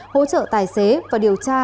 hỗ trợ tài xế và điều tra